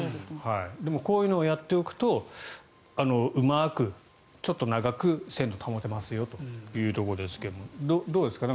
でも、こういうのをやっておくとうまく、ちょっと長く鮮度を保てますよというところですがどうですか？